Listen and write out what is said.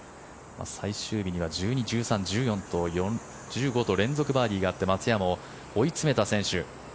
最終日には１２、１３、１４、１５と連続バーディーがあって松山を追い詰めた選手。